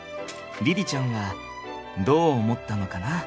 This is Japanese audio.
凛々ちゃんはどう思ったのかな？